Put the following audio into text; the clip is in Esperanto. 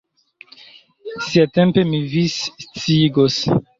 Siatempe mi vin sciigos.